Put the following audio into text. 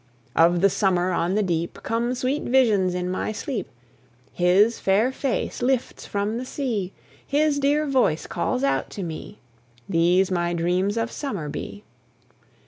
Of the summer on the deep Come sweet visions in my sleep; His fair face lifts from the sea, His dear voice calls out to me, These my dreams of summer be.